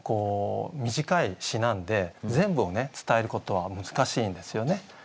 短い詩なんで全部を伝えることは難しいんですよね。